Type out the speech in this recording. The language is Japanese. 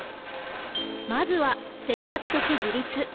まずは生活的自立。